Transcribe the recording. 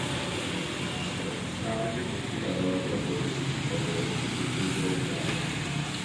ცხრამეტი ბურთი გადავარდა ღობის იქით, ხოლო ექვსი ბურთი უბრალოდ გაქრა.